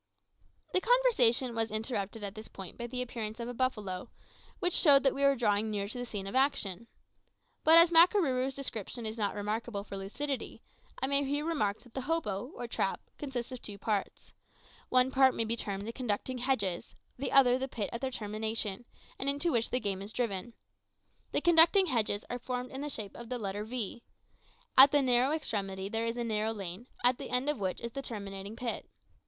The conversation was interrupted at this point by the appearance of a buffalo, which showed that we were drawing near to the scene of action. But as Makarooroo's description is not remarkable for lucidity, I may explain here that the hopo, or trap, consists of two parts; one part may be termed the conducting hedges, the other the pit at their termination, and into which the game is driven. The conducting hedges are formed in the shape of the letter V. At the narrow extremity there is a narrow lane, at the end of which is the terminating pit.